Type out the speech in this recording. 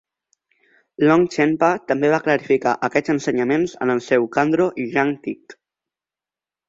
Longchenpa també va clarificar aquests ensenyaments en el seu Khandro Yangtig.